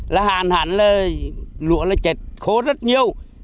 là hạn hán lúa là chệt khô rất nhiều